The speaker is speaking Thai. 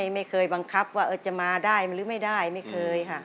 ไม่เคยบังคับว่าจะมาได้หรือไม่ได้ไม่เคยค่ะ